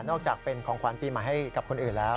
อกจากเป็นของขวัญปีใหม่ให้กับคนอื่นแล้ว